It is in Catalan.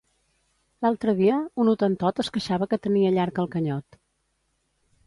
L'altre dia, un hotentot es queixava que tenia llarg el canyot